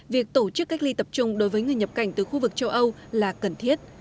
việc tổ chức cách ly tập trung đối với người nhập cảnh từ khu vực châu âu là cần thiết